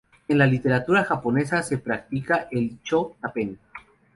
En la literatura japonesa se practica el "cho-tanpen".